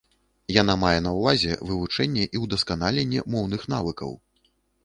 Яна мае на ўвазе вывучэнне і ўдасканаленне моўных навыкаў.